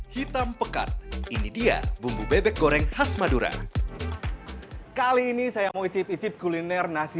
hitam pekat ini dia bumbu bebek goreng khas madura kali ini saya mau icip icip kuliner nasi